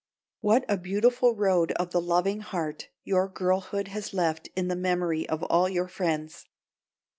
What a beautiful Road of the Loving Heart your girlhood has left in the memory of all your friends!